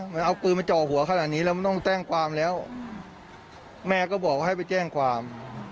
มันเอาปืนมาจ่อหัวขนาดนี้แล้วมันต้องแจ้งความแล้วแม่ก็บอกว่าให้ไปแจ้งความ